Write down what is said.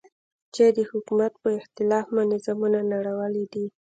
چې د حکومت په اختلاف مو نظامونه نړولي دي.